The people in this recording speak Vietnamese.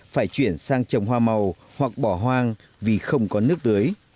phải chuyển sang trồng hoa màu hoặc bỏ hoang vì không có nước tưới